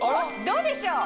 どうでしょう？